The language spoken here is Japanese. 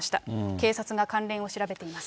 警察が関連を調べています。